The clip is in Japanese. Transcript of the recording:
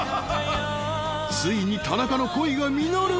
［ついに田中の恋が実る！？］